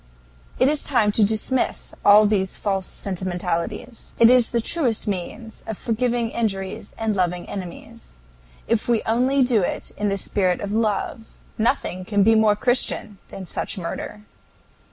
It is time to dismiss all these false sentimentalities. It is the truest means of forgiving injuries and loving enemies. If we only do it in the spirit of love, nothing can be more Christian than such murder."